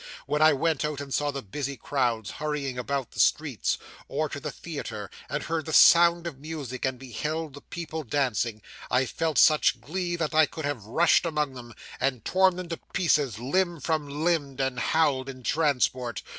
When I went out, and saw the busy crowds hurrying about the streets; or to the theatre, and heard the sound of music, and beheld the people dancing, I felt such glee, that I could have rushed among them, and torn them to pieces limb from limb, and howled in transport.